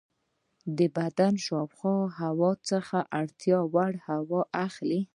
بدن د شاوخوا هوا څخه اړتیا وړ هوا اخلي.